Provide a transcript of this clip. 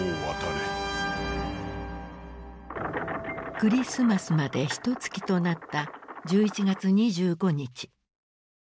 クリスマスまでひとつきとなった１１月２５日。